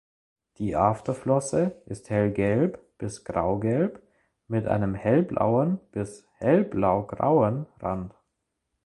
Die Afterflosse ist hellgelb bis graugelb mit einem hellblauen bis hell blaugrauen Rand.